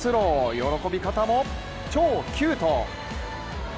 喜び方も超キュート。